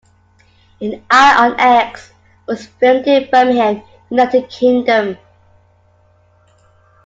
"An Eye On X" was filmed in Birmingham, United Kingdom.